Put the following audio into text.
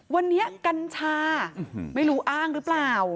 วันนี้กัญชาไม่รู้อ้างหรือเปล่า